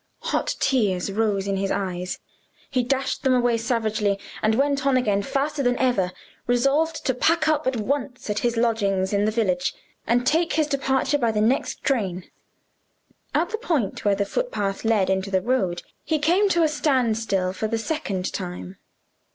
Hot tears rose in his eyes. He dashed them away savagely, and went on again faster than ever resolved to pack up at once at his lodgings in the village, and to take his departure by the next train. At the point where the footpath led into the road, he came to a standstill for the second time.